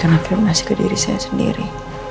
apa saya bisa memberikan afirmasi ke diri saya sendiri